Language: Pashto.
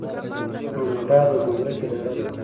کاناډا د ګمرک اداره لري.